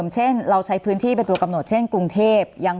การเขาใช้